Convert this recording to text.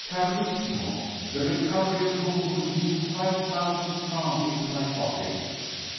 Carissimo, the recovery of whom would mean five thousand francs into my pocket!